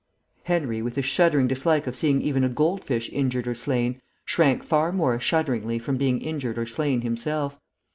Henry, with his shuddering dislike of seeing even a goldfish injured or slain, shrank far more shudderingly from being injured or slain himself.